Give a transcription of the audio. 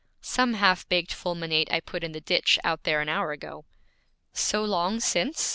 Some half baked fulminate I put in the ditch out there an hour ago.' 'So long since?'